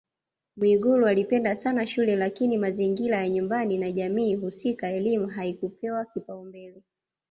Mwigulu alipenda sana shule lakini mazingira ya nyumbani na jamii husika elimu haikupewa kipaumbele